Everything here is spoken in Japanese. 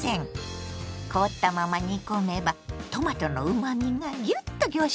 凍ったまま煮込めばトマトのうまみがギュッと凝縮されるわよ。